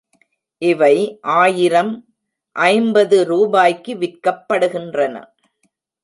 இவை ஆயிரம், ஐம்பது ரூபாய்க்கு விற்கப்படுகின்றன.